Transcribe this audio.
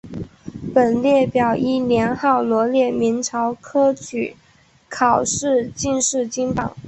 本列表依年号罗列明朝科举考试进士金榜。